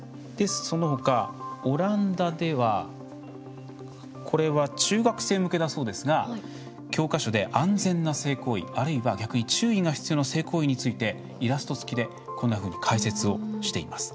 そのほか、オランダではこれは中学生向けだそうですが教科書で安全な性行為あるいは逆に注意が必要な性行為についてイラスト付きでこんなふうに解説をしています。